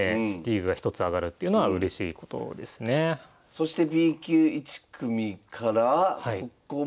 そしてＢ級１組からここも。